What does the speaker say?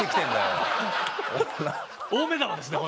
大目玉ですね